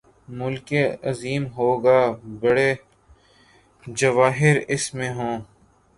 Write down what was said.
ملک عظیم ہو گا، بڑے جواہر اس میں ہوں۔